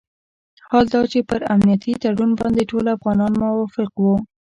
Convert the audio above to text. حال دا چې پر امنیتي تړون باندې ټول افغانان موافق وو.